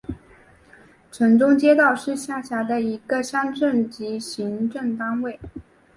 城中街道是下辖的一个乡镇级行政单位。